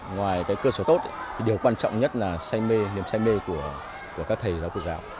ngoài cái cơ sở tốt điều quan trọng nhất là say mê niềm say mê của các thầy giáo cụ giáo